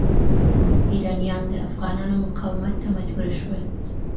ایرانيان د افغانانو مقاومت ته مجبوره شول.